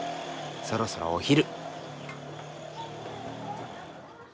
そろそろお昼。